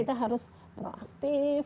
kita harus proaktif